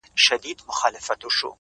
• سره ورک یې کړل زامن وروڼه پلرونه,